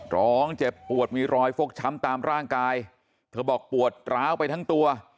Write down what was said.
ร้องเจ็บปวดมีรอยฟกช้ำตามร่างกายเธอบอกปวดร้าวไปทั้งตัว